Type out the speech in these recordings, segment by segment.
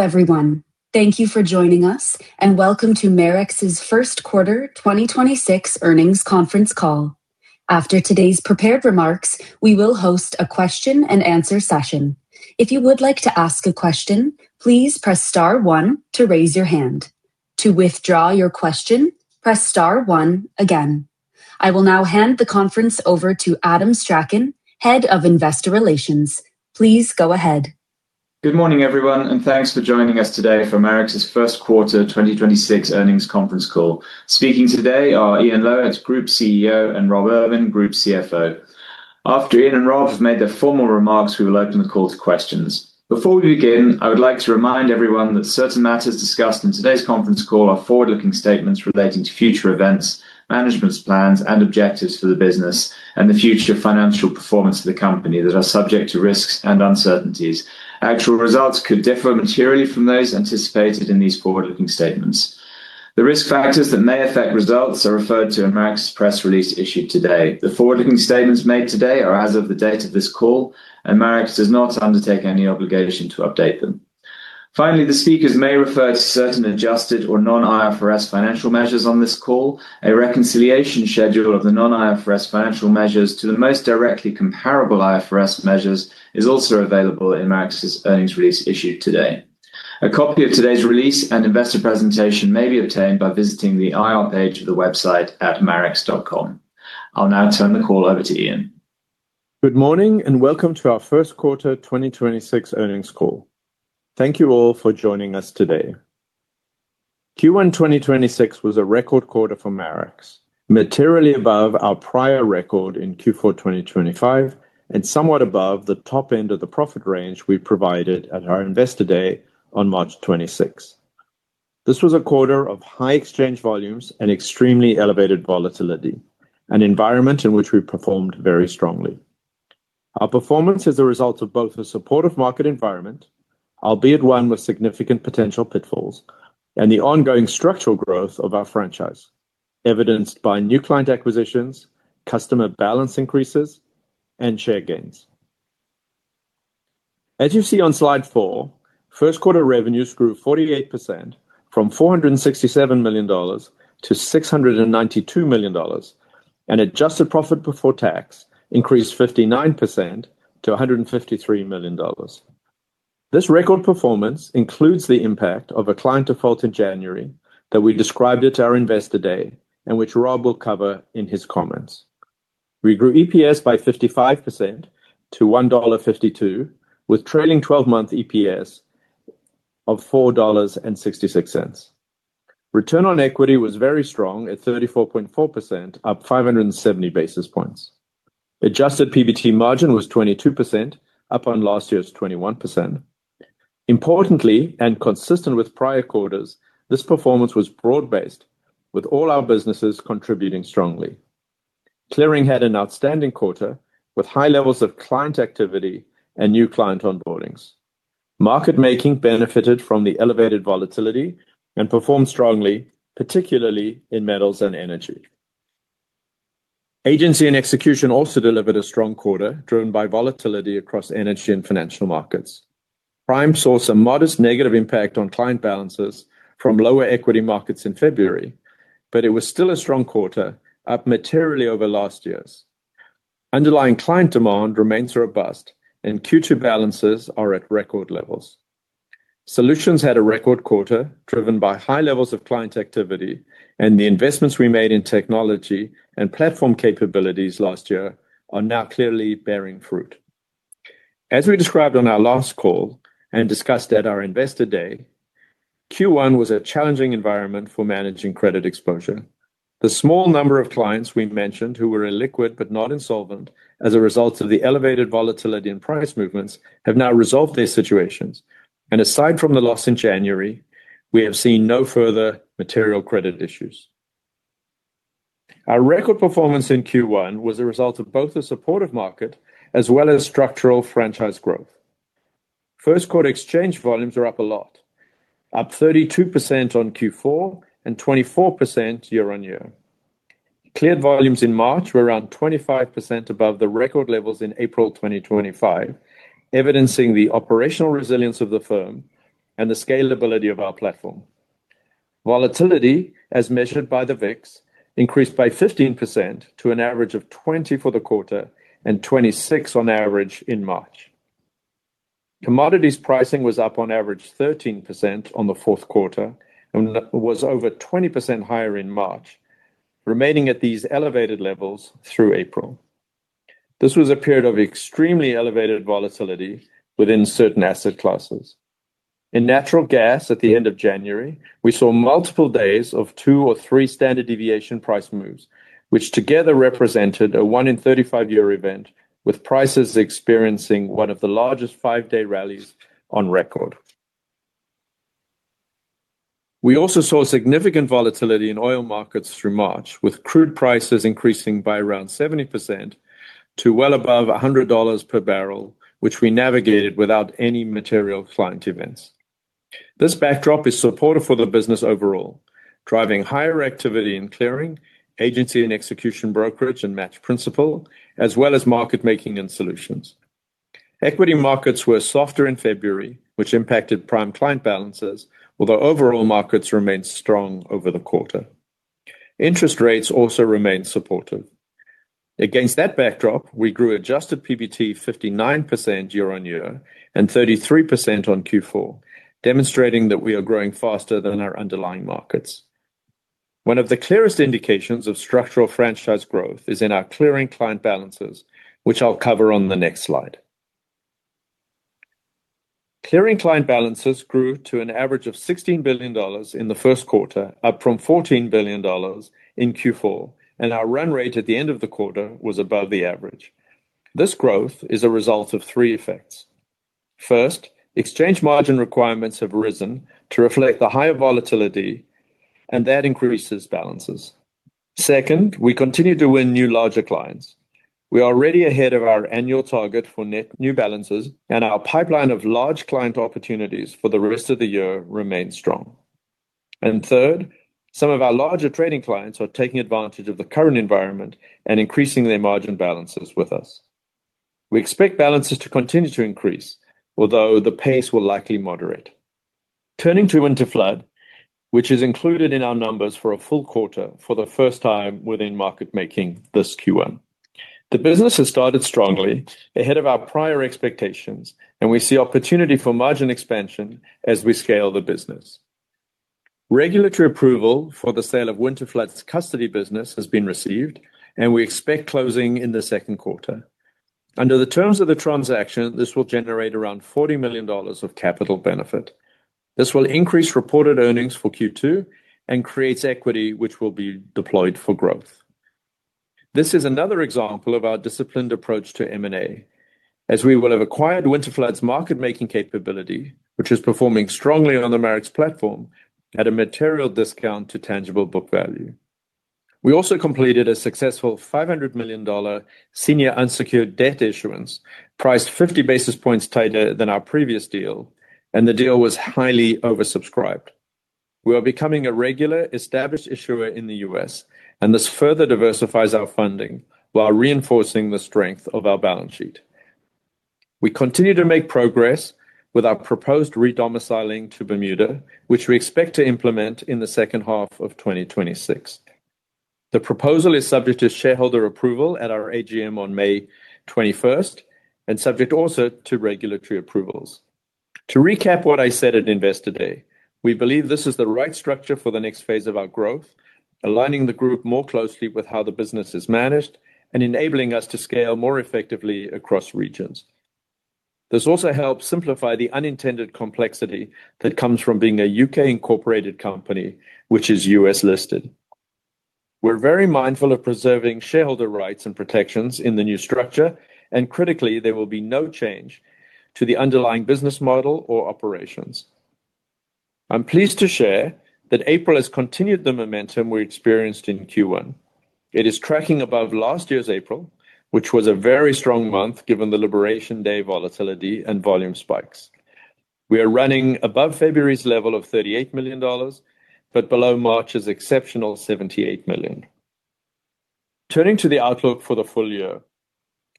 Everyone, thank you for joining us and welcome to Marex's Q1 2026 earnings conference call. After today's prepared remarks, we will host a question-and-answer session. If you would like to ask a question, please press star one to raise your hand. To withdraw your question, press star one again. I will now hand the conference over to Adam Strachan, Head of Investor Relations. Please go ahead. Good morning, everyone, thanks for joining us today for Marex's Q1 2026 earnings conference call. Speaking today are Ian Lowitt, Group CEO, and Rob Irvin, Group CFO. After Ian and Rob have made their formal remarks, we will open the call to questions. Before we begin, I would like to remind everyone that certain matters discussed in today's conference call are forward-looking statements relating to future events, management's plans and objectives for the business, and the future financial performance of the company that are subject to risks and uncertainties. Actual results could differ materially from those anticipated in these forward-looking statements. The risk factors that may affect results are referred to in Marex's press release issued today. The forward-looking statements made today are as of the date of this call, and Marex does not undertake any obligation to update them. The speakers may refer to certain adjusted or non-IFRS financial measures on this call. A reconciliation schedule of the non-IFRS financial measures to the most directly comparable IFRS measures is also available in Marex's earnings release issued today. A copy of today's release and investor presentation may be obtained by visiting the IR page of the website at marex.com. I'll now turn the call over to Ian. Good morning and welcome to our Q1 2026 earnings call. Thank you all for joining us today. Q1 2026 was a record quarter for Marex, materially above our prior record in Q4 2025 and somewhat above the top end of the profit range we provided at our Investor Day on March 26. This was a quarter of high exchange volumes and extremely elevated volatility, an environment in which we performed very strongly. Our performance is a result of both a supportive market environment, albeit one with significant potential pitfalls, and the ongoing structural growth of our franchise, evidenced by new client acquisitions, customer balance increases, and share gains. As you see on slide four, Q1 revenues grew 48% from $467 million-$692 million, and adjusted profit before tax increased 59% to $153 million. This record performance includes the impact of a client default in January that we described at our Investor Day and which Rob will cover in his comments. We grew EPS by 55% to $1.52, with trailing 12-month EPS of $4.66. Return on equity was very strong at 34.4%, up 570 basis points. Adjusted PBT margin was 22%, up on last year's 21%. Importantly, and consistent with prior quarters, this performance was broad-based, with all our businesses contributing strongly. Clearing had an outstanding quarter, with high levels of client activity and new client onboardings. Market Making benefited from the elevated volatility and performed strongly, particularly in metals and energy. Agency and Execution also delivered a strong quarter, driven by volatility across energy and financial markets. Prime saw some modest negative impact on client balances from lower equity markets in February, but it was still a strong quarter, up materially over last year's. Underlying client demand remains robust, and Q2 balances are at record levels. Solutions had a record quarter driven by high levels of client activity, and the investments we made in technology and platform capabilities last year are now clearly bearing fruit. As we described on our last call and discussed at our Investor Day, Q1 was a challenging environment for managing credit exposure. The small number of clients we mentioned who were illiquid but not insolvent as a result of the elevated volatility and price movements have now resolved their situations. Aside from the loss in January, we have seen no further material credit issues. Our record performance in Q1 was a result of both the supportive market as well as structural franchise growth. Q1 exchange volumes are up a lot, up 32% on Q4 and 24% year-on-year. Cleared volumes in March were around 25% above the record levels in April 2025, evidencing the operational resilience of the firm and the scalability of our platform. Volatility, as measured by the VIX, increased by 15% to an average of 20 for the quarter and 26 on average in March. Commodities pricing was up on average 13% on the Q4 and was over 20% higher in March, remaining at these elevated levels through April. This was a period of extremely elevated volatility within certain asset classes. In natural gas at the end of January, we saw multiple days of two or three standard deviation price moves, which together represented a one in 35 year event, with prices experiencing one of the largest five-day rallies on record. We also saw significant volatility in oil markets through March, with crude prices increasing by around 70% to well above $100 per barrel, which we navigated without any material client events. This backdrop is supportive for the business overall, driving higher activity in Clearing, Agency and Execution brokerage and match principal, as well as Market Making and Solutions. Equity markets were softer in February, which impacted prime client balances, although overall markets remained strong over the quarter. Interest rates also remain supportive. Against that backdrop, we grew adjusted PBT 59% year on year and 33% on Q4, demonstrating that we are growing faster than our underlying markets. One of the clearest indications of structural franchise growth is in our clearing client balances, which I'll cover on the next slide. Clearing client balances grew to an average of $16 billion in the Q1, up from $14 billion in Q4, and our run rate at the end of the quarter was above the average. This growth is a result of three effects. First, exchange margin requirements have risen to reflect the higher volatility, and that increases balances. Second, we continue to win new larger clients. We are already ahead of our annual target for net new balances, and our pipeline of large client opportunities for the rest of the year remains strong. Third, some of our larger trading clients are taking advantage of the current environment and increasing their margin balances with us. We expect balances to continue to increase, although the pace will likely moderate. Turning to Winterflood, which is included in our numbers for a full quarter for the first time within Market Making this Q1. The business has started strongly ahead of our prior expectations, and we see opportunity for margin expansion as we scale the business. Regulatory approval for the sale of Winterflood's custody business has been received, and we expect closing in the Q2. Under the terms of the transaction, this will generate around $40 million of capital benefit. This will increase reported earnings for Q2 and creates equity, which will be deployed for growth. This is another example of our disciplined approach to M&A, as we will have acquired Winterflood's market-making capability, which is performing strongly on the Marex platform at a material discount to tangible book value. We also completed a successful $500 million senior unsecured debt issuance, priced 50 basis points tighter than our previous deal. The deal was highly oversubscribed. We are becoming a regular, established issuer in the U.S., and this further diversifies our funding while reinforcing the strength of our balance sheet. We continue to make progress with our proposed redomiciling to Bermuda, which we expect to implement in the second half of 2026. The proposal is subject to shareholder approval at our AGM on May 21st and subject also to regulatory approvals. To recap what I said at Investor Day, we believe this is the right structure for the next phase of our growth, aligning the group more closely with how the business is managed and enabling us to scale more effectively across regions. This also helps simplify the unintended complexity that comes from being a U.K.-incorporated company, which is U.S. listed. We're very mindful of preserving shareholder rights and protections in the new structure, and critically, there will be no change to the underlying business model or operations. I'm pleased to share that April has continued the momentum we experienced in Q1. It is tracking above last year's April, which was a very strong month given the Liberation Day volatility and volume spikes. We are running above February's level of $38 million, but below March's exceptional $78 million. Turning to the outlook for the full year.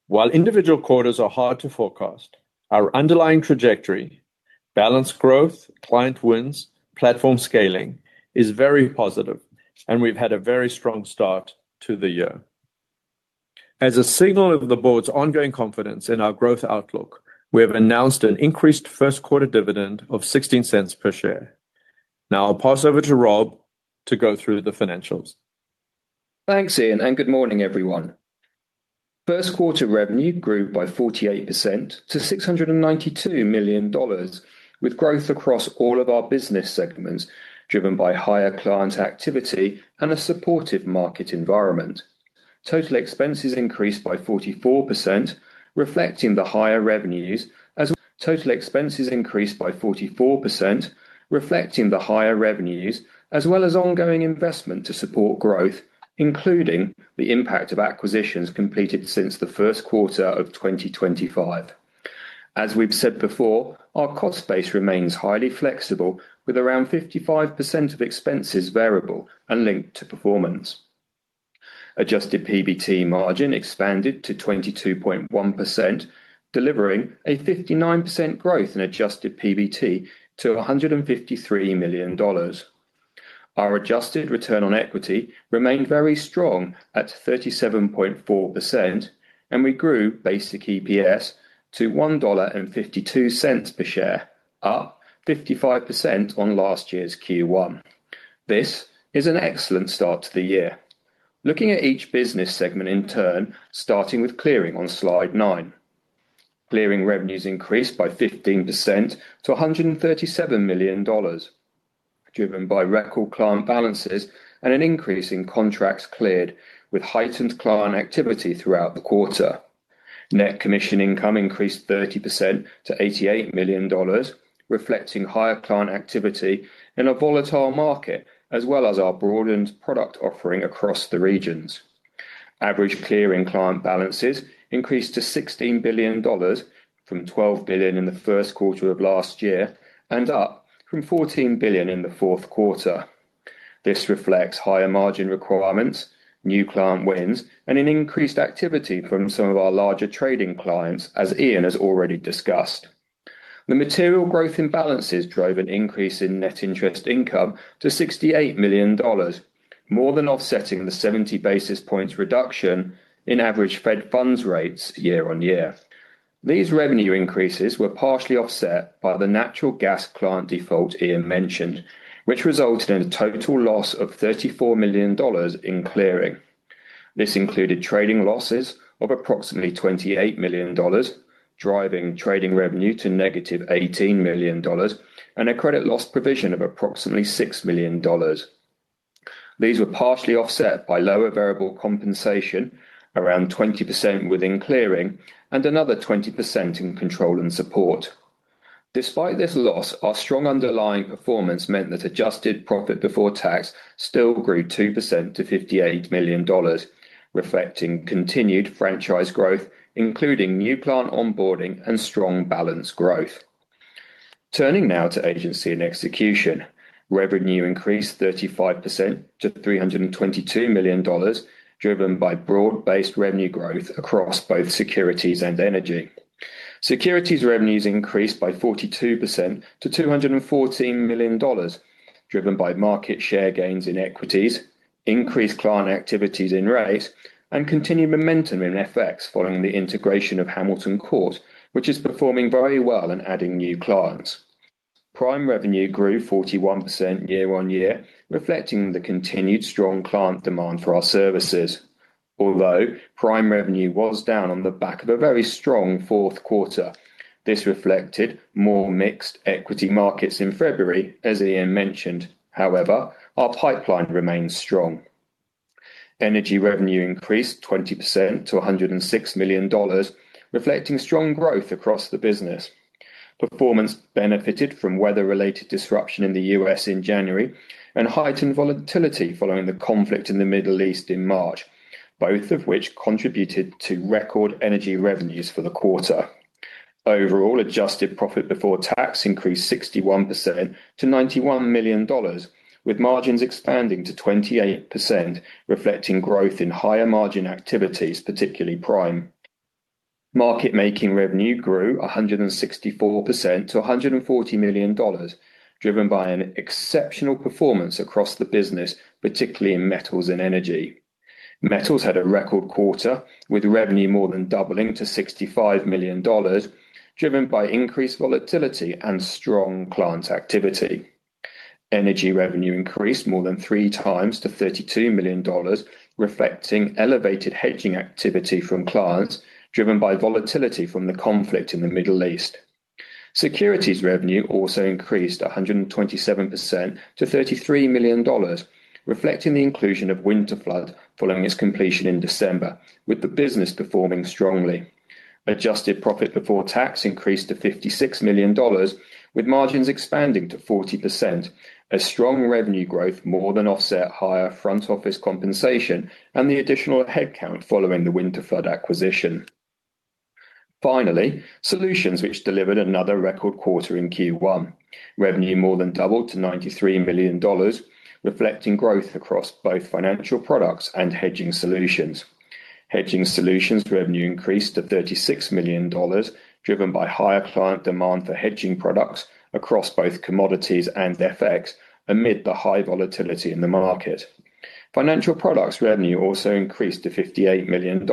While individual quarters are hard to forecast, our underlying trajectory, balance growth, client wins, platform scaling, is very positive, and we've had a very strong start to the year. As a signal of the board's ongoing confidence in our growth outlook, we have announced an increased Q1 dividend of $0.16 per share. I'll pass over to Rob to go through the financials. Thanks, Ian, and good morning, everyone. Q1 revenue grew by 48% to $692 million, with growth across all of our business segments, driven by higher client activity and a supportive market environment. Total expenses increased by 44%, reflecting the higher revenues, as well as ongoing investment to support growth, including the impact of acquisitions completed since the Q1 of 2025. As we've said before, our cost base remains highly flexible, with around 55% of expenses variable and linked to performance. Adjusted PBT margin expanded to 22.1%, delivering a 59% growth in adjusted PBT to $153 million. Our adjusted return on equity remained very strong at 37.4%, and we grew basic EPS to $1.52 per share, up 55% on last year's Q1. This is an excellent start to the year. Looking at each business segment in turn, starting with Clearing on slide nine. Clearing revenues increased by 15% to $137 million, driven by record client balances and an increase in contracts cleared with heightened client activity throughout the quarter. Net commission income increased 30% to $88 million, reflecting higher client activity in a volatile market, as well as our broadened product offering across the regions. Average Clearing client balances increased to $16 billion from $12 billion in the Q1 of last year and up from $14 billion in the Q4. This reflects higher margin requirements, new client wins, and an increased activity from some of our larger trading clients, as Ian has already discussed. The material growth in balances drove an increase in net interest income to $68 million, more than offsetting the 70 basis points reduction in average Fed funds rates year on year. These revenue increases were partially offset by the natural gas client default Ian mentioned, which resulted in a total loss of $34 million in Clearing. This included trading losses of approximately $28 million, driving trading revenue to negative $18 million and a credit loss provision of approximately $6 million. These were partially offset by lower variable compensation around 20% within Clearing and another 20% in control and support. Despite this loss, our strong underlying performance meant that adjusted profit before tax still grew 2% to $58 million, reflecting continued franchise growth, including new client onboarding and strong balance growth. Turning now to Agency and Execution. Revenue increased 35% to $322 million, driven by broad-based revenue growth across both securities and energy. Securities revenues increased by 42% to $214 million, driven by market share gains in equities, increased client activities in rates, and continued momentum in FX following the integration of Hamilton Court, which is performing very well and adding new clients. Prime revenue grew 41% year-on-year, reflecting the continued strong client demand for our services. Although Prime revenue was down on the back of a very strong Q4, this reflected more mixed equity markets in February. As Ian mentioned, however, our pipeline remains strong. Energy revenue increased 20% to $106 million, reflecting strong growth across the business. Performance benefited from weather-related disruption in the U.S. in January and heightened volatility following the conflict in the Middle East in March, both of which contributed to record Energy revenues for the quarter. Overall, adjusted profit before tax increased 61% to $91 million, with margins expanding to 28%, reflecting growth in higher margin activities, particularly Prime Services. Market Making revenue grew 164% to $140 million, driven by an exceptional performance across the business, particularly in Metals and Energy. Metals had a record quarter, with revenue more than doubling to $65 million, driven by increased volatility and strong client activity. Energy revenue increased more than three times to $32 million, reflecting elevated hedging activity from clients driven by volatility from the conflict in the Middle East. Securities revenue also increased 127% to $33 million, reflecting the inclusion of Winterflood following its completion in December, with the business performing strongly. Adjusted profit before tax increased to $56 million, with margins expanding to 40%. A strong revenue growth more than offset higher front office compensation and the additional headcount following the Winterflood acquisition. Solutions which delivered another record quarter in Q1. Revenue more than doubled to $93 million, reflecting growth across both financial products and hedging solutions. Hedging solutions revenue increased to $36 million, driven by higher client demand for hedging products across both commodities and FX amid the high volatility in the market. Financial products revenue also increased to $58 million,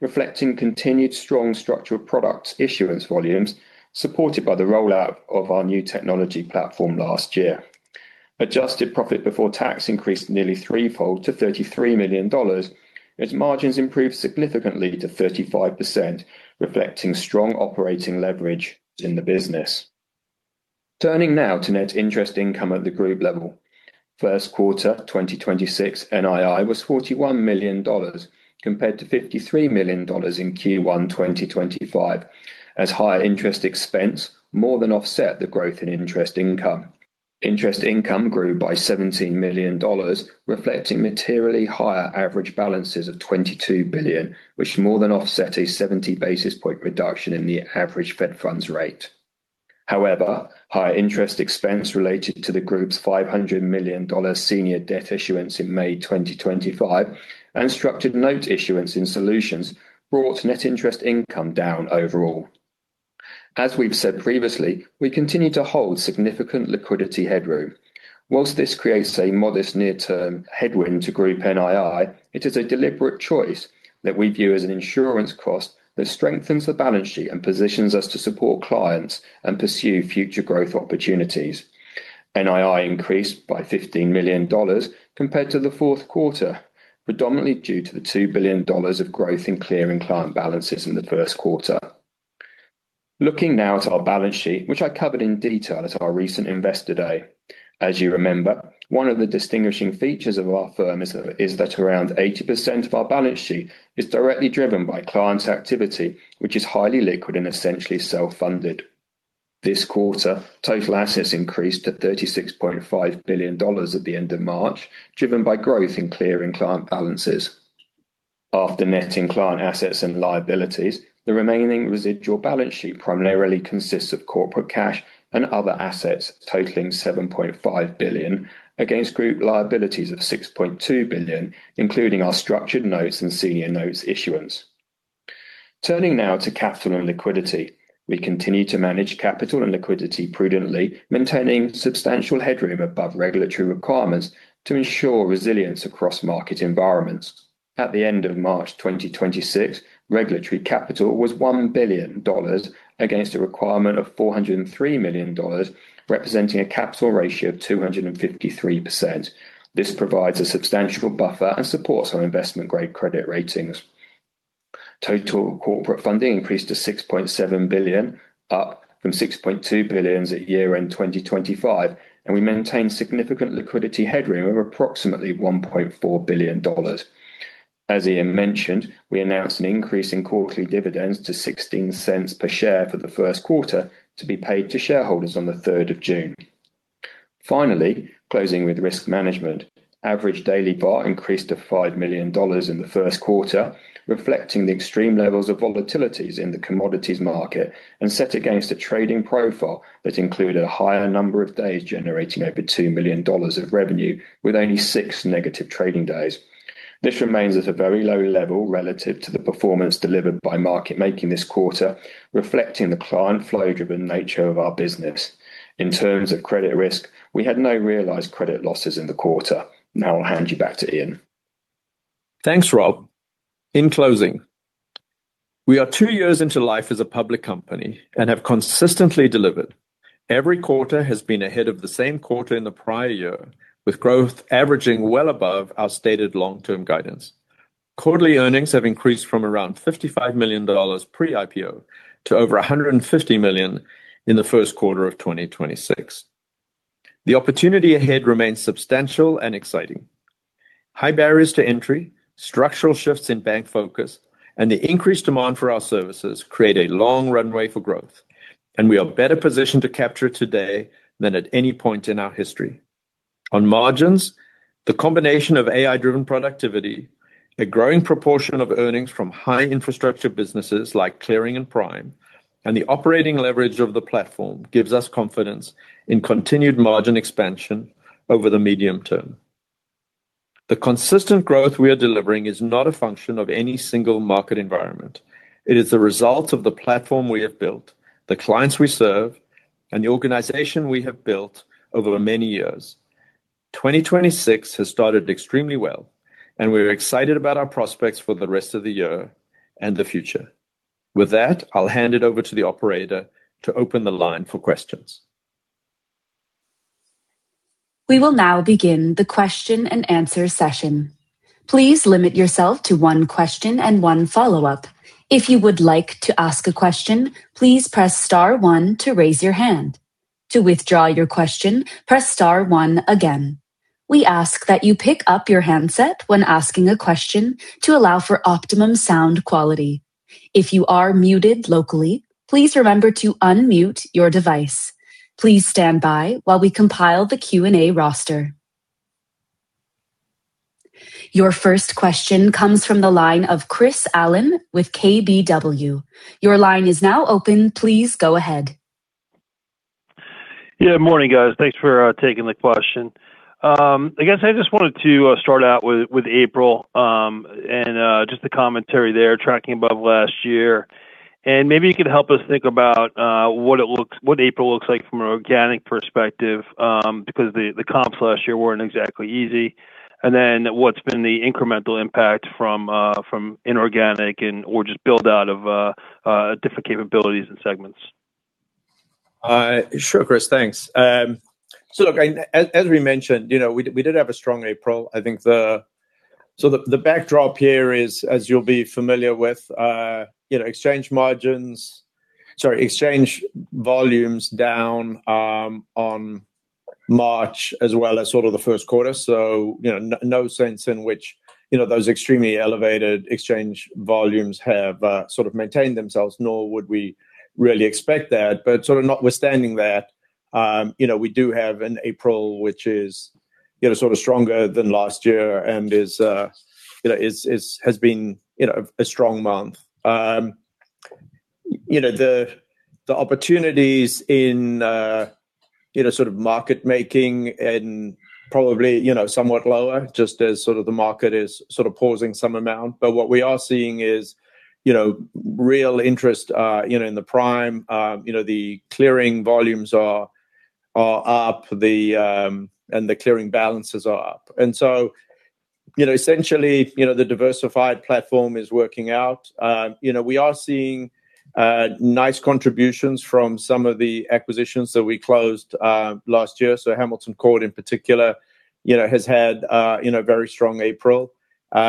reflecting continued strong structured products issuance volumes supported by the rollout of our new technology platform last year. Adjusted profit before tax increased nearly threefold to $33 million as margins improved significantly to 35%, reflecting strong operating leverage in the business. Turning now to net interest income at the group level. Q1 2026 NII was $41 million compared to $53 million in Q1 2025 as higher interest expense more than offset the growth in interest income. Interest income grew by $17 million, reflecting materially higher average balances of $22 billion, which more than offset a 70 basis point reduction in the average Fed funds rate. Higher interest expense related to the group's $500 million senior debt issuance in May 2025 and structured note issuance in Solutions brought net interest income down overall. As we've said previously, we continue to hold significant liquidity headroom. Whilst this creates a modest near-term headwind to Group NII, it is a deliberate choice that we view as an insurance cost that strengthens the balance sheet and positions us to support clients and pursue future growth opportunities. NII increased by $15 million compared to the Q4, predominantly due to the $2 billion of growth in Clearing client balances in the Q1. Looking now at our balance sheet, which I covered in detail at our recent Investor Day. As you remember, one of the distinguishing features of our firm is that around 80% of our balance sheet is directly driven by clients' activity, which is highly liquid and essentially self-funded. This quarter, total assets increased to $36.5 billion at the end of March, driven by growth in Clearing client balances. After netting client assets and liabilities, the remaining residual balance sheet primarily consists of corporate cash and other assets totaling $7.5 billion against Group liabilities of $6.2 billion, including our structured notes and senior notes issuance. Turning now to capital and liquidity. We continue to manage capital and liquidity prudently, maintaining substantial headroom above regulatory requirements to ensure resilience across market environments. At the end of March 2026, regulatory capital was $1 billion against a requirement of $403 million, representing a capital ratio of 253%. This provides a substantial buffer and supports our investment-grade credit ratings. Total corporate funding increased to $6.7 billion, up from $6.2 billion at year-end 2025, and we maintain significant liquidity headroom of approximately $1.4 billion. As Ian Lowitt mentioned, we announced an increase in quarterly dividends to $0.16 per share for the Q1 to be paid to shareholders on the 3rd of June. Finally, closing with risk management. Average daily VAR increased to $5 million in the Q1, reflecting the extreme levels of volatilities in the commodities market, and set against a trading profile that included a higher number of days generating over $2 million of revenue with only six negative trading days. This remains at a very low level relative to the performance delivered by Market Making this quarter, reflecting the client flow-driven nature of our business. In terms of credit risk, we had no realized credit losses in the quarter. I'll hand you back to Ian. Thanks, Rob. In closing, we are two years into life as a public company and have consistently delivered. Every quarter has been ahead of the same quarter in the prior year, with growth averaging well above our stated long-term guidance. Quarterly earnings have increased from around $55 million pre-IPO to over $150 million in the Q1 of 2026. The opportunity ahead remains substantial and exciting. High barriers to entry, structural shifts in bank focus, and the increased demand for our services create a long runway for growth, and we are better positioned to capture today than at any point in our history. On margins, the combination of AI-driven productivity, a growing proportion of earnings from high infrastructure businesses like Clearing and prime, and the operating leverage of the platform gives us confidence in continued margin expansion over the medium term. The consistent growth we are delivering is not a function of any single market environment. It is the result of the platform we have built, the clients we serve, and the organization we have built over many years. 2026 has started extremely well, and we're excited about our prospects for the rest of the year and the future. With that, I'll hand it over to the operator to open the line for questions. We will now begin the question-and-answer session. Please limit yourself to one question and one follow-up. If you would like to ask a question, please press star one to raise your hand. To withdraw your question, press star one again. We ask that you pick up your handset when asking a question to allow for optimum sound quality. If you are muted locally, please remember to unmute your device. Please stand by while we compile the Q&A roster. Your first question comes from the line of Chris Allen with KBW. Your line is now open. Please go ahead. Morning, guys. Thanks for taking the question. I guess I just wanted to start out with April. Just the commentary there tracking above last year. Maybe you could help us think about what April looks like from an organic perspective because the comps last year weren't exactly easy. What's been the incremental impact from inorganic or just build out of different capabilities and segments. Sure, Chris. Thanks. Look, as we mentioned, you know, we did have a strong April. I think the backdrop here is, as you'll be familiar with, you know, exchange volumes down on March as well as sort of the Q1. You know, no sense in which, you know, those extremely elevated exchange volumes have sort of maintained themselves, nor would we really expect that. Sort of notwithstanding that, you know, we do have an April which is, you know, sort of stronger than last year and has been, you know, a strong month. You know, the opportunities in, you know, sort of market-making and probably, you know, somewhat lower just as the market is sort of pausing some amount. What we are seeing is, you know, real interest, you know, in the prime, you know, the Clearing volumes are up, and the Clearing balances are up. You know, essentially, you know, the diversified platform is working out. You know, we are seeing nice contributions from some of the acquisitions that we closed last year. Hamilton Court, in particular, you know, has had, you know, a very strong April. You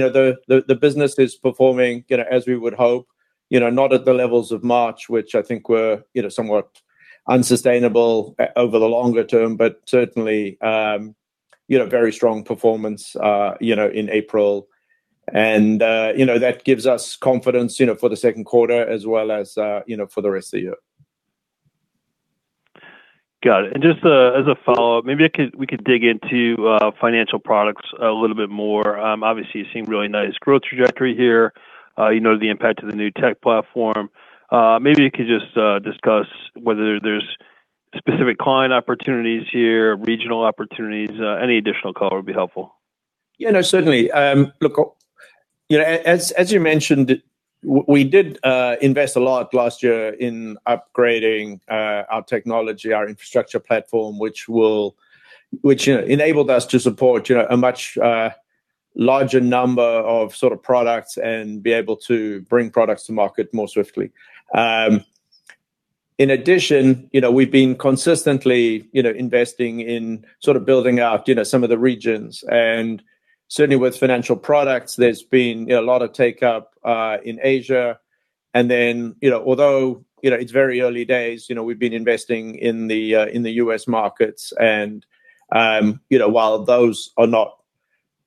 know, the business is performing, you know, as we would hope. You know, not at the levels of March, which I think were, you know, somewhat unsustainable over the longer term, but certainly, you know, very strong performance, you know, in April. You know, that gives us confidence, you know, for the Q2 as well as, you know, for the rest of the year. Got it. Just as a follow-up, maybe we could dig into financial products a little bit more. Obviously you're seeing really nice growth trajectory here. You know, the impact of the new tech platform. Maybe you could just discuss whether there's specific client opportunities here, regional opportunities, any additional color would be helpful. Yeah, no, certainly. Look, you know, as you mentioned, we did invest a lot last year in upgrading our technology, our infrastructure platform, which enabled us to support, you know, a much larger number of sort of products and be able to bring products to market more swiftly. In addition, you know, we've been consistently, you know, investing in sort of building out, you know, some of the regions. Certainly with financial products, there's been, you know, a lot of take-up in Asia. You know, although, you know, it's very early days, you know, we've been investing in the U.S. markets, you know, while those are not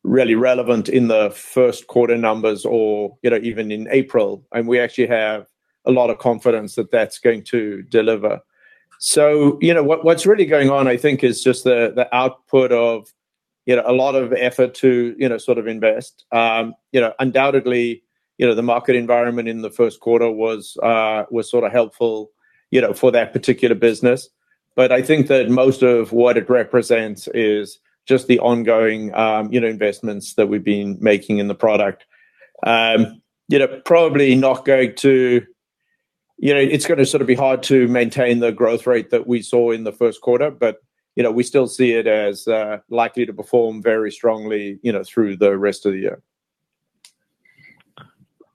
really relevant in the Q1 numbers or, you know, even in April, and we actually have a lot of confidence that that's going to deliver. You know, what's really going on, I think, is just the output of, you know, a lot of effort to, you know, sort of invest. You know, undoubtedly, you know, the market environment in the Q1 was sort of helpful, you know, for that particular business. I think that most of what it represents is just the ongoing, you know, investments that we've been making in the product. You know, You know, it's gonna sort of be hard to maintain the growth rate that we saw in the Q1, but, you know, we still see it as likely to perform very strongly, you know, through the rest of the year.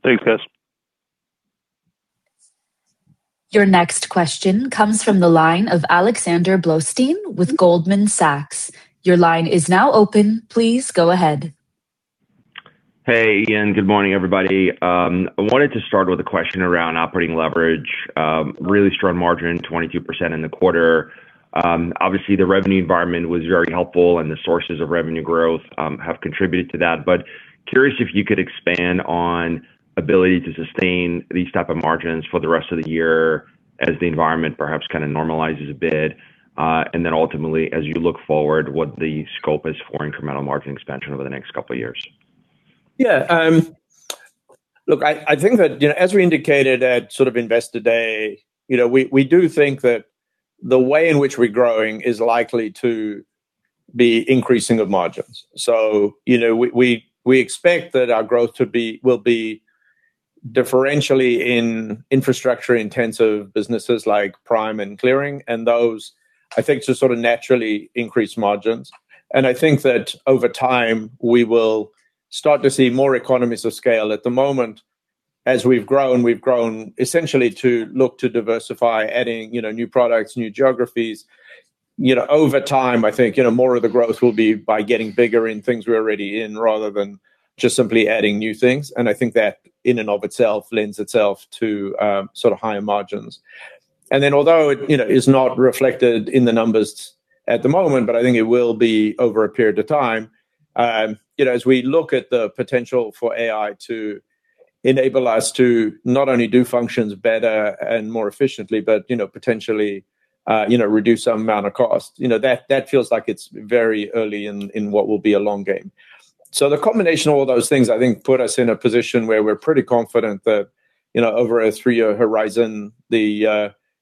Thanks, guys. Your next question comes from the line of Alexander Blostein with Goldman Sachs. Your line is now open. Please go ahead. Hey, Ian. Good morning, everybody. I wanted to start with a question around operating leverage. Really strong margin, 22% in the quarter. Obviously, the revenue environment was very helpful, and the sources of revenue growth have contributed to that. Curious if you could expand on ability to sustain these type of margins for the rest of the year as the environment perhaps kind of normalizes a bit. Ultimately, as you look forward, what the scope is for incremental margin expansion over the next couple of years. Look, I think that, you know, as we indicated at sort of Investor Day, you know, we do think that the way in which we're growing is likely to be increasing of margins. You know, we, we expect that our growth will be differentially in infrastructure-intensive businesses like Prime and Clearing, and those, I think, just sort of naturally increase margins. I think that over time, we will start to see more economies of scale. At the moment, as we've grown, we've grown essentially to look to diversify, adding, you know, new products, new geographies. You know, over time, I think, you know, more of the growth will be by getting bigger in things we're already in, rather than just simply adding new things. I think that in and of itself lends itself to sort of higher margins. Although it, you know, is not reflected in the numbers at the moment, but I think it will be over a period of time, you know, as we look at the potential for AI to enable us to not only do functions better and more efficiently, but, you know, potentially, reduce some amount of cost. You know, that feels like it's very early in what will be a long game. The combination of all those things, I think, put us in a position where we're pretty confident that, you know, over a three-year horizon,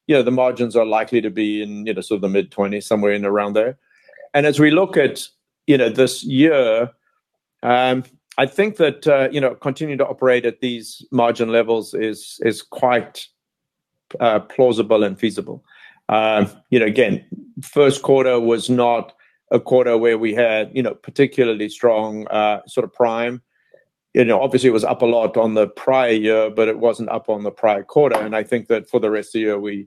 the, you know, the margins are likely to be in, you know, sort of the mid-20s%, somewhere in and around there. As we look at, you know, this year, I think that, you know, continuing to operate at these margin levels is quite plausible and feasible. You know, again, Q1 was not a quarter where we had, you know, particularly strong sort of Prime. You know, obviously, it was up a lot on the prior year, but it wasn't up on the prior quarter. I think that for the rest of the year, we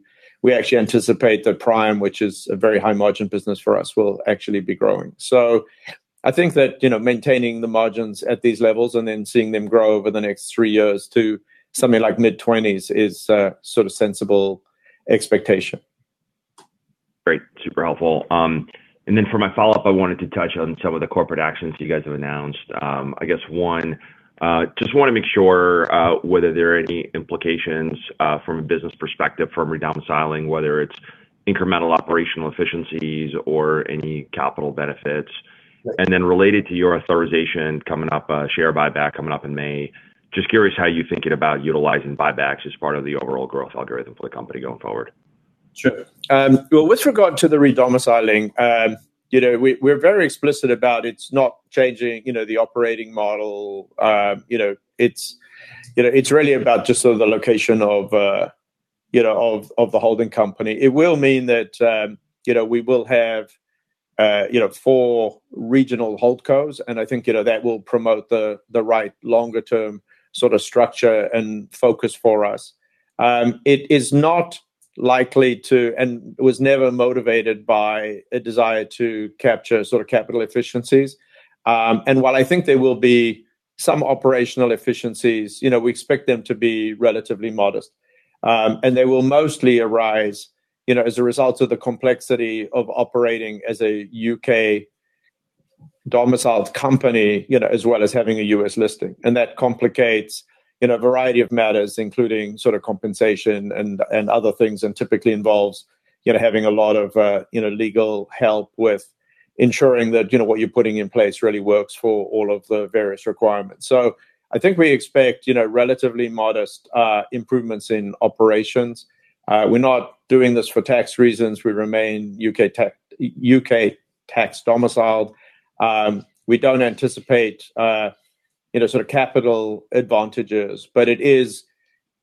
actually anticipate that Prime, which is a very high margin business for us, will actually be growing. I think that, you know, maintaining the margins at these levels and then seeing them grow over the next three years to something like mid-20s is a sort of sensible expectation. Great. Super helpful. For my follow-up, I wanted to touch on some of the corporate actions you guys have announced. I guess, one, just want to make sure whether there are any implications from a business perspective from redomiciling, whether it's incremental operational efficiencies or any capital benefits. Yeah. Related to your authorization coming up, share buyback coming up in May, just curious how you're thinking about utilizing buybacks as part of the overall growth algorithm for the company going forward? Sure. Well, with regard to the redomiciling, we're very explicit about it's not changing the operating model. It's really about just sort of the location of the holding company. It will mean that we will have four regional holdcos, and I think that will promote the right longer-term sort of structure and focus for us. It is not likely to, and was never motivated by a desire to capture sort of capital efficiencies. While I think there will be some operational efficiencies, we expect them to be relatively modest. They will mostly arise, you know, as a result of the complexity of operating as a U.K. domiciled company, you know, as well as having a U.S. listing. That complicates, you know, a variety of matters, including sort of compensation and other things, and typically involves, you know, having a lot of, you know, legal help with ensuring that, you know, what you're putting in place really works for all of the various requirements. I think we expect, you know, relatively modest improvements in operations. We're not doing this for tax reasons. We remain U.K. Tax domiciled. We don't anticipate, you know, sort of capital advantages, but it is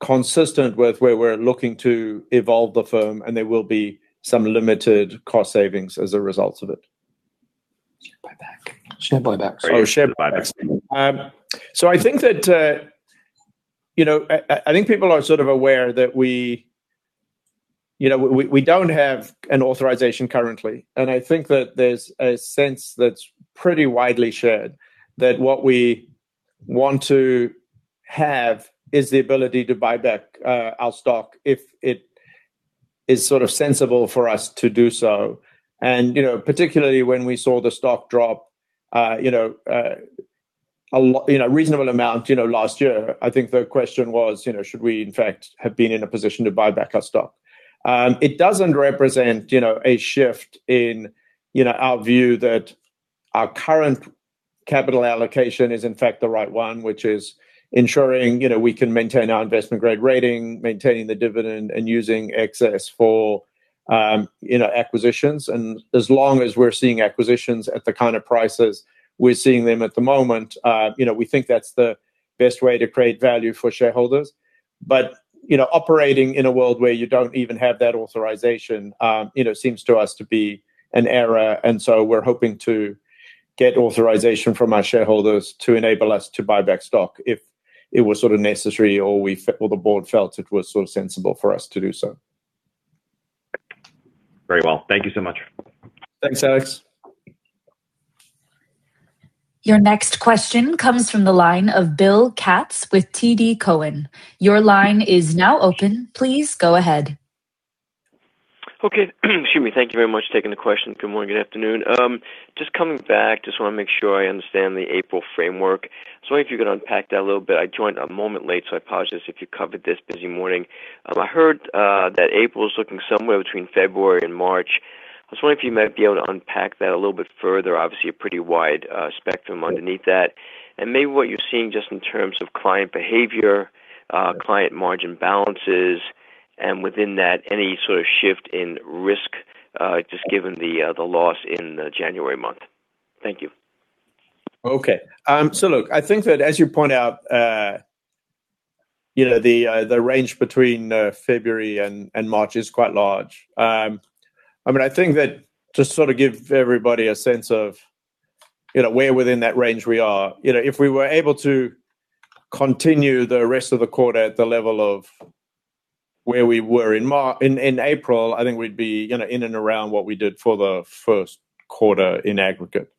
consistent with where we're looking to evolve the firm, and there will be some limited cost savings as a result of it. Share buyback. Share buybacks. Share buybacks. I think that I think people are sort of aware that we don't have an authorization currently. I think that there's a sense that's pretty widely shared that what we want to have is the ability to buy back our stock if it is sort of sensible for us to do so. Particularly when we saw the stock drop a reasonable amount last year, I think the question was, should we in fact have been in a position to buy back our stock? It doesn't represent, you know, a shift in, you know, our view that our current capital allocation is in fact the right one, which is ensuring, you know, we can maintain our investment-grade rating, maintaining the dividend, and using excess for, you know, acquisitions. As long as we're seeing acquisitions at the kind of prices we're seeing them at the moment, you know, we think that's the best way to create value for shareholders. Operating in a world where you don't even have that authorization, you know, seems to us to be an error. We're hoping to get authorization from our shareholders to enable us to buy back stock if it was sort of necessary or the board felt it was sort of sensible for us to do so. Very well. Thank you so much. Thanks, Alex. Your next question comes from the line of Bill Capps with TD Cowen. Your line is now open. Please go ahead. Okay. Excuse me. Thank you very much for taking the question. Good morning, good afternoon. Just coming back, just wanna make sure I understand the April framework, so I wonder if you could unpack that a little bit. I joined a moment late, so I apologize if you covered this. Busy morning. I heard that April's looking somewhere between February and March. I was wondering if you might be able to unpack that a little bit further. Obviously, a pretty wide spectrum underneath that. Maybe what you're seeing just in terms of client behavior, client margin balances, and within that, any sort of shift in risk, just given the loss in the January month. Thank you. Okay. Look, I think that as you point out, you know, the range between February and March is quite large. I mean, I think that to sort of give everybody a sense of, you know, where within that range we are, you know, if we were able to continue the rest of the quarter at the level of where we were in April, I think we'd be, you know, in and around what we did for the Q1 in aggregate.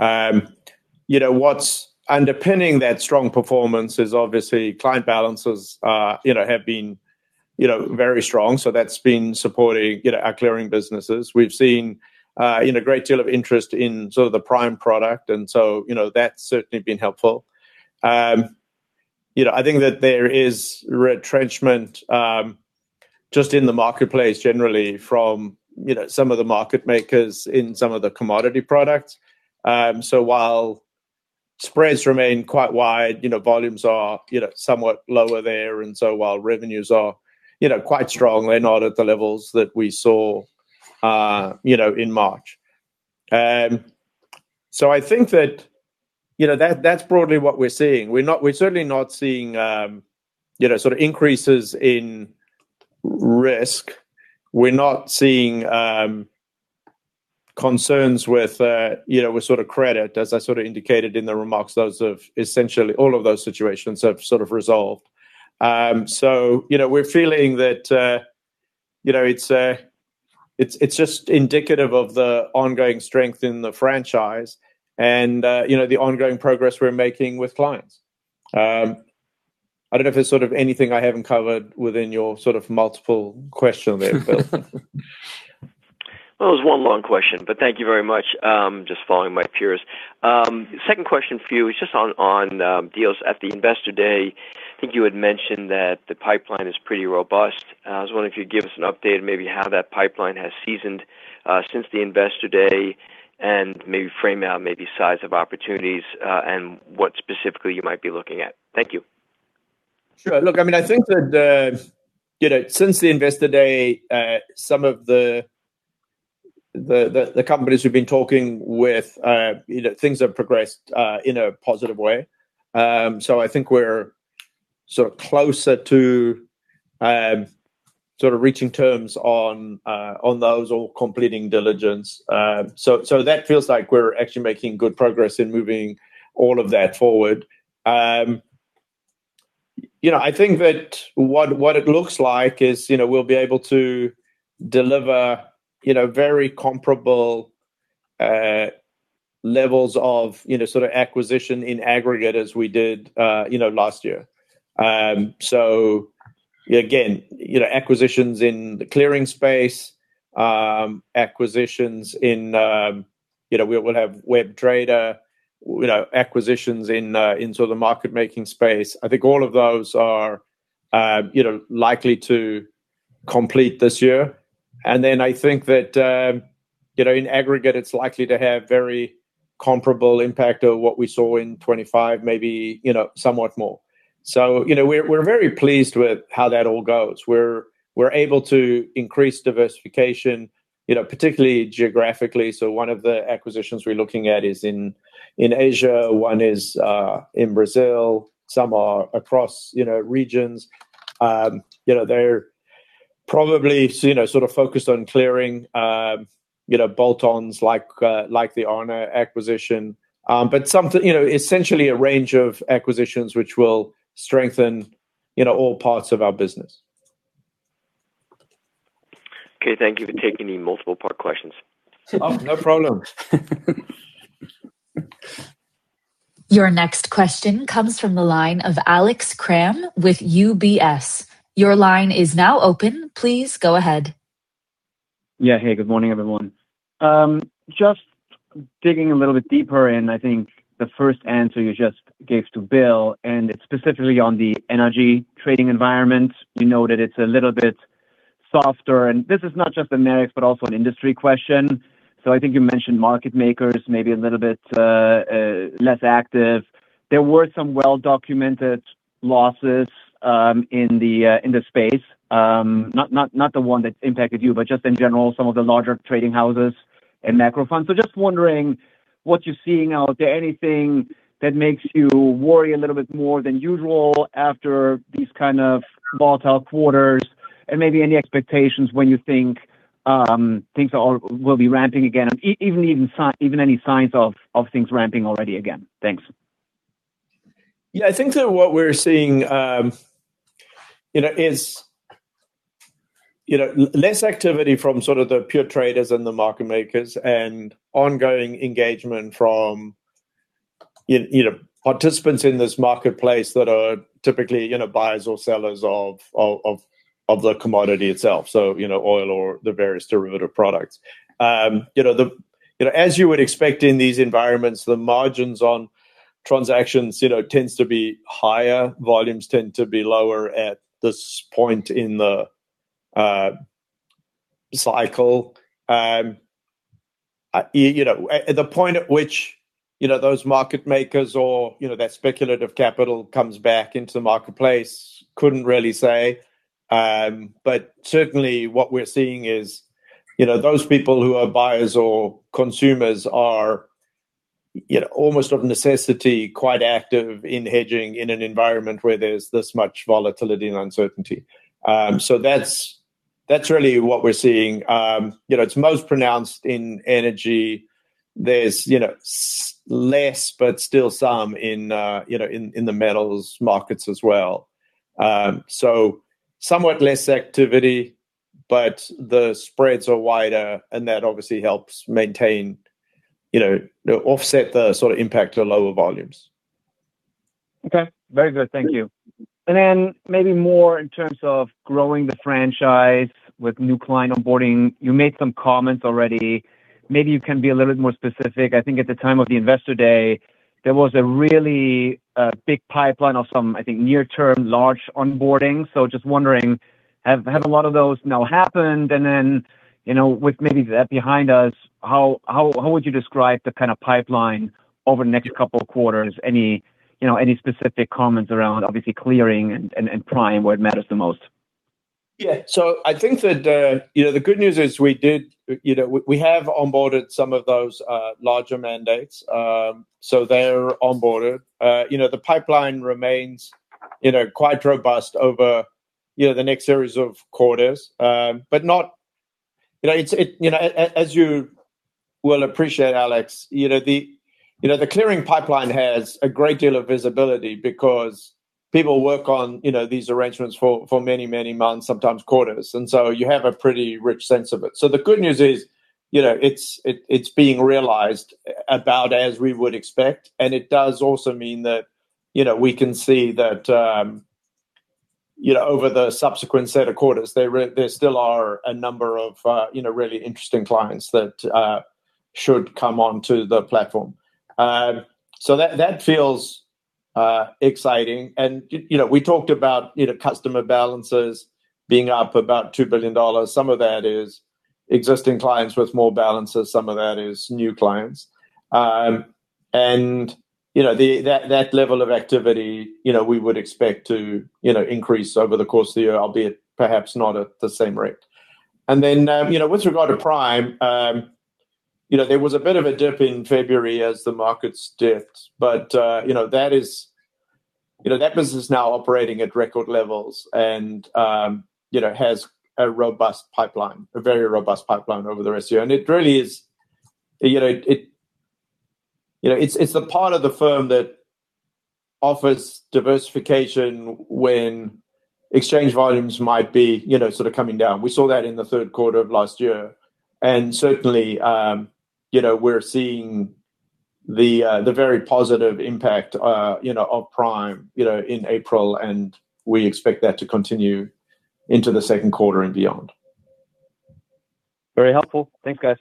You know, what's underpinning that strong performance is obviously client balances, you know, have been, you know, very strong. That's been supporting, you know, our Clearing businesses. We've seen, you know, a great deal of interest in sort of the prime product and so, you know, that's certainly been helpful. You know, I think that there is retrenchment, just in the marketplace generally from, you know, some of the market makers in some of the commodity products. While spreads remain quite wide, you know, volumes are, you know, somewhat lower there, and so while revenues are, you know, quite strong, they're not at the levels that we saw, you know, in March. I think that, you know, that's broadly what we're seeing. We're certainly not seeing, you know, sort of increases in risk. We're not seeing, concerns with, you know, with sort of credit. As I sort of indicated in the remarks, those have essentially all of those situations have sort of resolved. You know, we're feeling that, you know, it's just indicative of the ongoing strength in the franchise and, you know, the ongoing progress we're making with clients. I don't know if there's sort of anything I haven't covered within your sort of multiple question there, Bill. It was one long question, but thank you very much. Just following my peers. Second question for you is just on deals. At the Investor Day, I think you had mentioned that the pipeline is pretty robust. I was wondering if you could give us an update, maybe how that pipeline has seasoned since the Investor Day, and maybe frame out maybe size of opportunities, and what specifically you might be looking at. Thank you. Sure. Look, I mean, I think that, since the Investor Day, some of the companies we've been talking with, things have progressed in a positive way. I think we're sort of closer to sort of reaching terms on those or completing diligence. That feels like we're actually making good progress in moving all of that forward. I think that what it looks like is, we'll be able to deliver very comparable levels of sort of acquisition in aggregate as we did last year. Again, acquisitions in the clearing space, acquisitions in, we'll have Web Trader, acquisitions in sort of the market-making space. I think all of those are, you know, likely to complete this year. I think that, you know, in aggregate, it's likely to have very comparable impact of what we saw in 2025, maybe, you know, somewhat more. You know, we're very pleased with how that all goes. We're able to increase diversification, you know, particularly geographically. One of the acquisitions we're looking at is in Asia, one is in Brazil, some are across, you know, regions. You know, they're probably, you know, sort of focused on clearing, you know, bolt-ons like the ION acquisition. You know, essentially a range of acquisitions which will strengthen, you know, all parts of our business. Okay. Thank you for taking the multiple part questions. Oh, no problem. Your next question comes from the line of Alex Kramm with UBS. Your line is now open. Please go ahead. Yeah. Hey, good morning, everyone. Just digging a little bit deeper in, I think, the first answer you just gave to Bill, and specifically on the energy trading environment. We know that it's a little bit softer, and this is not just a Marex, but also an industry question. I think you mentioned market makers may be a little bit less active. There were some well-documented losses in the space. Not the one that impacted you, but just in general, some of the larger trading houses and macro funds. Just wondering what you're seeing out there. Anything that makes you worry a little bit more than usual after these kind of volatile quarters, maybe any expectations when you think things will be ramping again, even any signs of things ramping already again. Thanks. Yeah, I think that what we're seeing, you know, is, you know, less activity from sort of the pure traders and the market makers and ongoing engagement from, you know, participants in this marketplace that are typically, you know, buyers or sellers of the commodity itself, so, you know, oil or the various derivative products. You know, as you would expect in these environments, the margins on transactions, you know, tends to be higher. Volumes tend to be lower at this point in the cycle. You know, at the point at which, you know, those market makers or, you know, that speculative capital comes back into the marketplace, couldn't really say. Certainly what we're seeing is, you know, those people who are buyers or consumers are, you know, almost of necessity, quite active in hedging in an environment where there's this much volatility and uncertainty. That's, that's really what we're seeing. You know, it's most pronounced in energy. There's, you know, less, but still some in, you know, in the metals markets as well. Somewhat less activity, but the spreads are wider, and that obviously helps maintain, you know, offset the sort of impact to lower volumes. Very good. Thank you. Maybe more in terms of growing the franchise with new client onboarding. You made some comments already. Maybe you can be a little bit more specific. I think at the time of the Investor Day, there was a really big pipeline of some, I think, near-term large onboarding. Just wondering, have a lot of those now happened? You know, with maybe that behind us, how would you describe the kind of pipeline over the next couple of quarters? Any, you know, any specific comments around obviously Clearing and Prime where it matters the most? Yeah. I think that, you know, the good news is we did, you know, we have onboarded some of those larger mandates, so they're onboarded. You know, the pipeline remains, you know, quite robust over, you know, the next series of quarters. Not You know, it's, You know, as you will appreciate, Alex, you know, the, you know, the Clearing pipeline has a great deal of visibility because people work on, you know, these arrangements for many, many months, sometimes quarters, and so you have a pretty rich sense of it. The good news is, you know, it's being realized about as we would expect, and it does also mean that, you know, we can see that, you know, over the subsequent set of quarters, there still are a number of, you know, really interesting clients that should come onto the platform. That, that feels exciting. You know, we talked about, you know, customer balances being up about $2 billion. Some of that is existing clients with more balances, some of that is new clients. You know, that level of activity, you know, we would expect to, you know, increase over the course of the year, albeit perhaps not at the same rate. You know, with regard to Prime, you know, there was a bit of a dip in February as the markets dipped. You know, that business is now operating at record levels and, you know, has a robust pipeline, a very robust pipeline over the rest of the year. It really is, you know, it, you know, it's the part of the firm that offers diversification when exchange volumes might be, you know, sort of coming down. We saw that in the third quarter of last year. Certainly, you know, we're seeing the very positive impact, you know, of Prime, you know, in April, and we expect that to continue into the Q2 and beyond. Very helpful. Thanks, guys.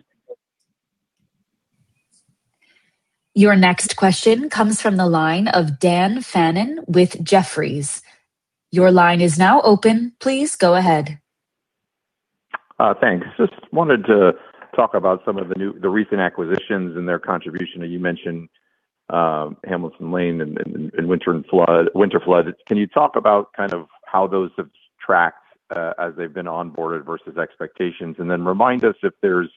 Your next question comes from the line of Daniel Fannon with Jefferies. Your line is now open. Please go ahead. Thanks. Just wanted to talk about some of the recent acquisitions and their contribution that you mentioned, Hamilton Court Group and Winterflood. Can you talk about kind of how those have tracked as they've been onboarded versus expectations? Then remind us if there's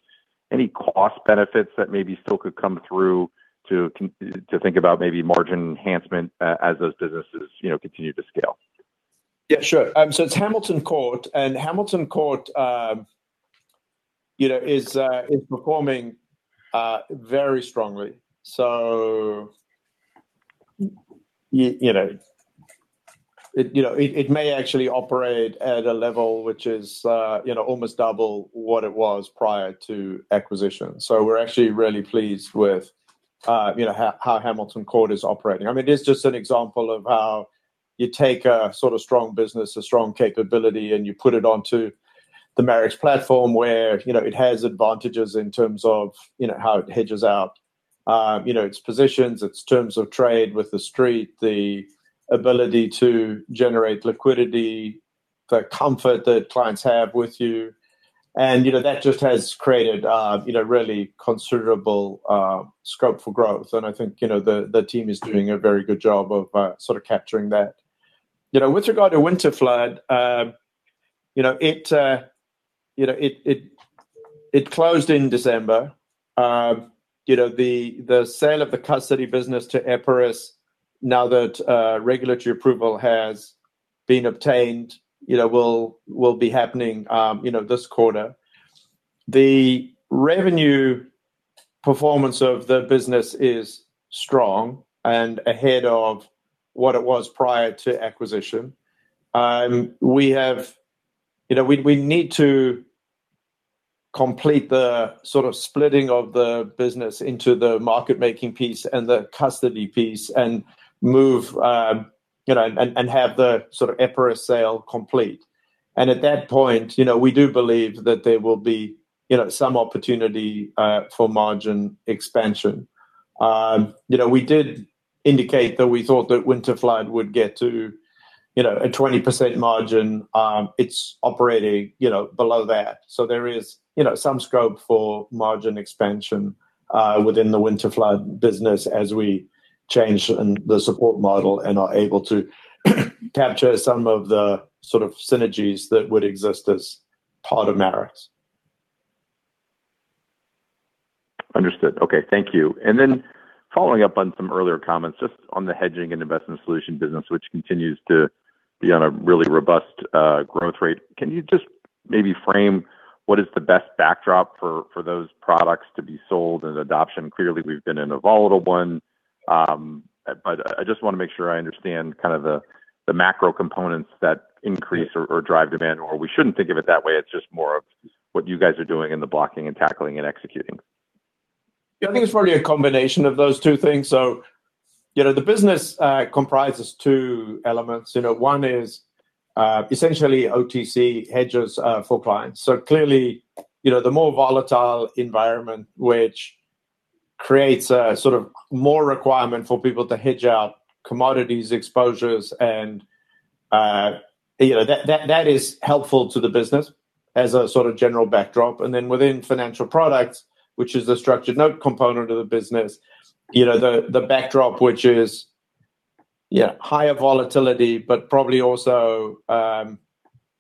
any cost benefits that maybe still could come through to think about maybe margin enhancement as those businesses, you know, continue to scale. Yeah, sure. It's Hamilton Court, and Hamilton Court, you know, is performing very strongly. You know, it may actually operate at a level which is, you know, almost double what it was prior to acquisition. We're actually really pleased with, you know, how Hamilton Court is operating. I mean, it is just an example of how you take a sort of strong business, a strong capability, and you put it onto the Marex platform where, you know, it has advantages in terms of, you know, how it hedges out, you know, its positions, its terms of trade with the street, the ability to generate liquidity, the comfort that clients have with you. You know, that just has created, you know, really considerable scope for growth. I think, you know, the team is doing a very good job of sort of capturing that. You know, with regard to Winterflood, you know, it closed in December. You know, the sale of the custody business to Eperis, now that regulatory approval has been obtained, you know, will be happening, you know, this quarter. The revenue performance of the business is strong and ahead of what it was prior to acquisition. You know, we need to complete the sort of splitting of the business into the Market Making piece and the custody piece and move, you know, and have the sort of Eperis sale complete. At that point, you know, we do believe that there will be, you know, some opportunity for margin expansion. You know, we did indicate that we thought that Winterflood would get to, you know, a 20% margin. It's operating, you know, below that. There is, you know, some scope for margin expansion within the Winterflood business as we change the support model and are able to capture some of the sort of synergies that would exist as part of Marex. Understood. Okay, thank you. Following up on some earlier comments, just on the hedging and investment solution business, which continues to be on a really robust growth rate. Can you just maybe frame what is the best backdrop for those products to be sold and adoption? Clearly, we've been in a volatile one, but I just wanna make sure I understand kind of the macro components that increase or drive demand, or we shouldn't think of it that way, it's just more of what you guys are doing in the blocking and tackling and executing. Yeah, I think it's probably a combination of those two things. You know, the business comprises two elements. You know, one is essentially OTC hedges for clients. Clearly, you know, the more volatile environment which creates a sort of more requirement for people to hedge out commodities exposures and, you know, that is helpful to the business as a sort of general backdrop. Within financial products, which is the structured note component of the business, you know, the backdrop, which is, yeah, higher volatility, but probably also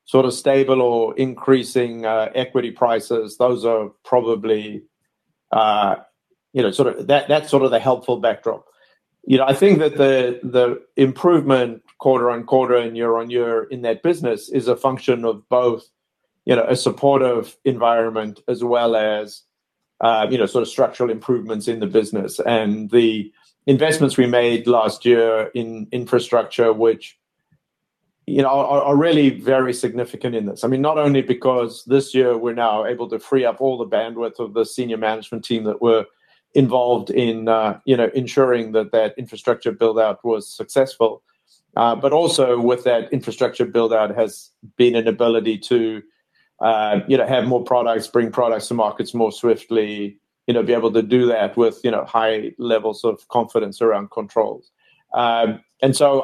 sort of stable or increasing equity prices. Those are probably, you know, That's sort of the helpful backdrop. You know, I think that the improvement quarter-on-quarter and year on year in that business is a function of both, you know, a supportive environment as well as, you know, sort of structural improvements in the business. The investments we made last year in infrastructure, which, you know, are really very significant in this. I mean, not only because this year we're now able to free up all the bandwidth of the senior management team that were involved in, you know, ensuring that infrastructure build-out was successful. Also with that infrastructure build-out has been an ability to, you know, have more products, bring products to markets more swiftly, you know, be able to do that with, you know, high levels of confidence around controls. I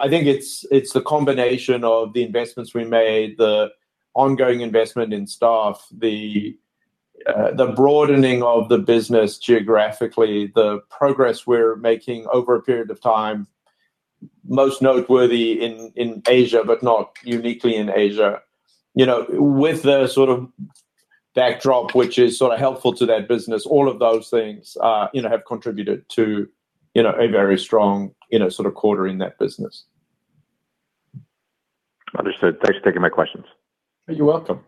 think it's the combination of the investments we made, the ongoing investment in staff, the broadening of the business geographically, the progress we're making over a period of time, most noteworthy in Asia, but not uniquely in Asia. With the backdrop which is helpful to that business, all of those things have contributed to a very strong quarter in that business. Understood. Thanks for taking my questions. You're welcome.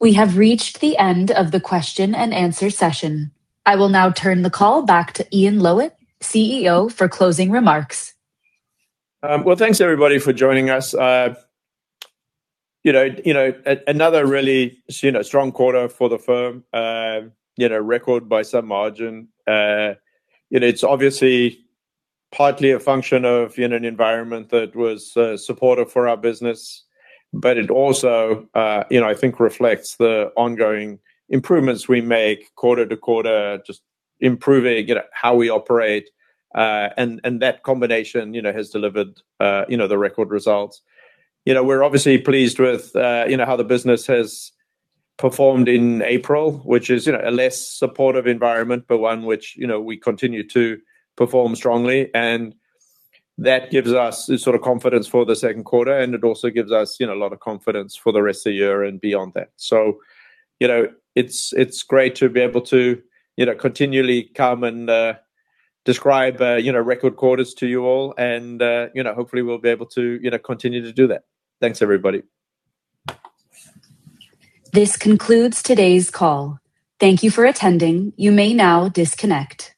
We have reached the end of the question and answer session. I will now turn the call back to Ian Lowitt, CEO, for closing remarks. Well, thanks everybody for joining us. You know, another really, you know, strong quarter for the firm. You know, record by some margin. You know, it's obviously partly a function of, you know, an environment that was supportive for our business, but it also, you know, I think reflects the ongoing improvements we make quarter-to-quarter, just improving, you know, how we operate. That combination, you know, has delivered, you know, the record results. You know, we're obviously pleased with, you know, how the business has performed in April, which is, you know, a less supportive environment, but one which, you know, we continue to perform strongly. That gives us the sort of confidence for the Q2, and it also gives us, you know, a lot of confidence for the rest of the year and beyond that. You know, it's great to be able to, you know, continually come and describe, you know, record quarters to you all and, you know, hopefully we'll be able to, you know, continue to do that. Thanks, everybody. This concludes today's call. Thank you for attending. You may now disconnect.